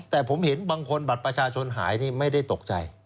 แต่ผมเห็นบางคนบัตรประชาชนหายนี่ไม่ได้ตกใจ